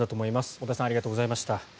小田さんありがとうございました。